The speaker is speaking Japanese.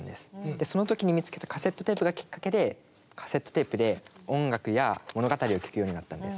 でその時に見つけたカセットテープがきっかけでカセットテープで音楽や物語を聴くようになったんです。